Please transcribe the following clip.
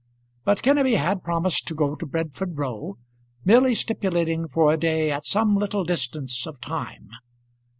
But Kenneby had promised to go to Bedford Row, merely stipulating for a day at some little distance of time.